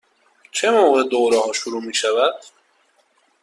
چه موقع دوره ها شروع می شود؟